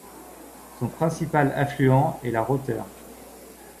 Son principal affluent est la Rother.